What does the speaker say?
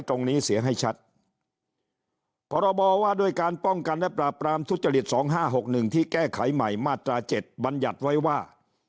ตรงนี้เสียให้ชัดพรบว่าด้วยการป้องกันและปราบปรามทุจริต๒๕๖๑ที่แก้ไขใหม่มาตรา๗บัญญัติไว้ว่า